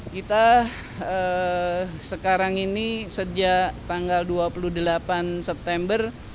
kita sekarang ini sejak tanggal dua puluh delapan september